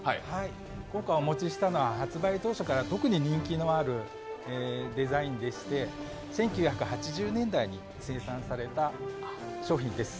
今回お持ちしたのは発売当初から特に人気のあるもので、１９８０年代に生産された商品です。